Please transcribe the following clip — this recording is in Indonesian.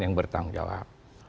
yang bertanggung jawab